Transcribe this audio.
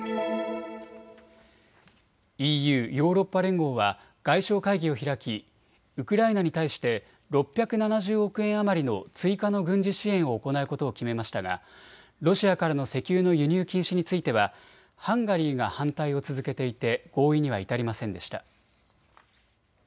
ＥＵ・ヨーロッパ連合は外相会議を開きウクライナに対して６７０億円余りの追加の軍事支援を行うことを決めましたがロシアからの石油の輸入禁止についてはハンガリーが反対を続けていて合意には至りませんでした。